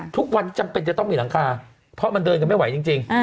ทุกวันจำเป็นจะต้องมีหลังคาเพราะมันเดินกันไม่ไหวจริง